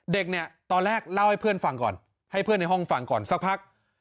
เด็กเนี่ยตอนแรกเล่าให้เพื่อนฟังก่อนให้เพื่อนในห้องฟังก่อนสักพัก